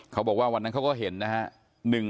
เขาบอกว่าวันนั้นเขาก็เห็นนะฮะ